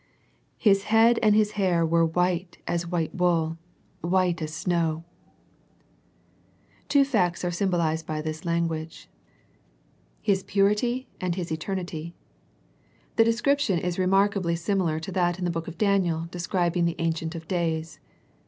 "^" His head and His hair were white as white wool, white as snow" Two facts are symbo lized by this language, His purity and His eter The Vision and the Voice 23 nity. The description is remarkably similar to that in the book of Daniel, describing the " An cient of Days."